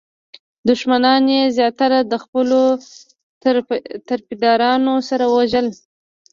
دښمنان یې زیاتره د خپلو طرفدارانو سره وژل.